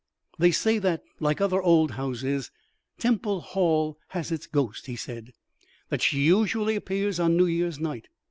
"They say that, like other old houses, Temple Hall has its ghost," he said; "that she usually appears on New Year's night.